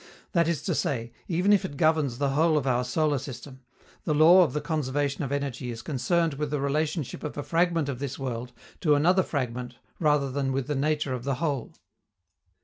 That is to say, even if it governs the whole of our solar system, the law of the conservation of energy is concerned with the relationship of a fragment of this world to another fragment rather than with the nature of the whole.